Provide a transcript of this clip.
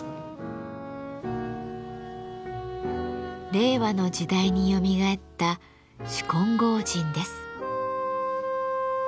令和の時代によみがえった執金剛神です。